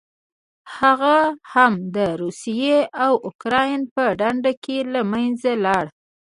هغه هم د روسیې او اوکراین په ډنډ کې له منځه لاړه.